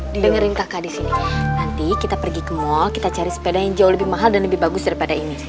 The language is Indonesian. dio dengerin kakak di sini nanti kita pergi ke mall kita cari sepeda yang jauh lebih mahal dan lebih bagus daripada ini